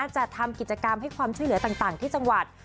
จะทำกิจกรรมให้ความช่วยเหลือต่างที่จังหวัด